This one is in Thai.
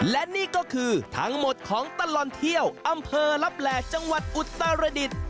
และนี่ก็คือทั้งหมดของตลอดเที่ยวอำเภอลับแหล่จังหวัดอุตรดิษฐ์